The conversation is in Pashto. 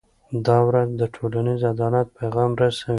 دا ورځ د ټولنیز عدالت پیغام رسوي.